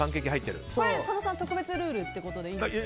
佐野さん、特別ルールってことでいいんですか？